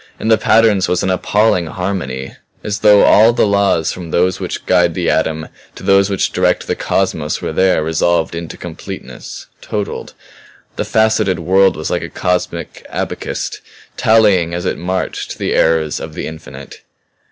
In the patterns was an appalling harmony as though all the laws from those which guide the atom to those which direct the cosmos were there resolved into completeness totalled. "The faceted world was like a cosmic abacist, tallying as it marched the errors of the infinite.